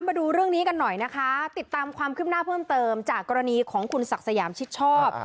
มาดูเรื่องนี้กันหน่อยนะคะติดตามความคืบหน้าเพิ่มเติมจากกรณีของคุณศักดิ์สยามชิดชอบ